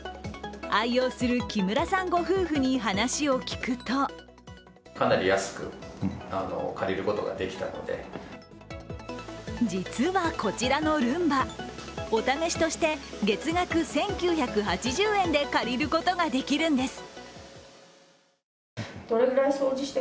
愛用する木村さんご夫婦に話を聞くと実はこちらのルンバ、お試しとして、月額１９８０円で借りることができるんです。